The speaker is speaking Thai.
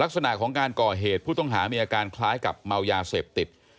ลักษณะของการก่อเหตุผู้ต้องหามีอาการคล้ายกับเมายาเสพติด